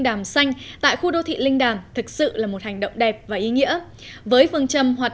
đàm xanh tại khu đô thị linh đàm thực sự là một hành động đẹp và ý nghĩa với phương châm hoạt